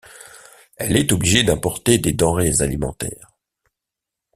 Elle est obligée d'importer des denrées alimentaires.